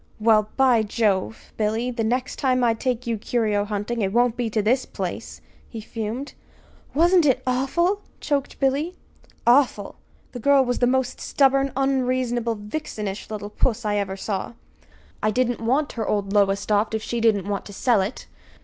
"Well, by Jove! Billy, the next time I take you curio hunting, it won't be to this place," he fumed. "Wasn't it awful!" choked Billy. "Awful! The girl was the most stubborn, unreasonable, vixenish little puss I ever saw. I didn't want her old Lowestoft if she didn't want to sell it!